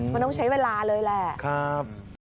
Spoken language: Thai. ไม่ต้องใช้เวลาเลยแหละครับ